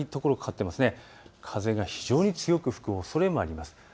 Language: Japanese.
風が非常に強く吹くおそれがあります。